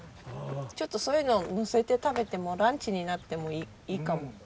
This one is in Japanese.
ちょっとそういうののせて食べてもランチになってもいいかも。